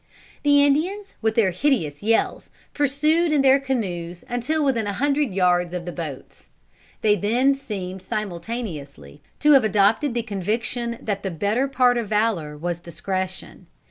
The Indians, with their hideous yells, pursued in their canoes until within a hundred yards of the boats. They then seemed simultaneously to have adopted the conviction that the better part of valor was discretion.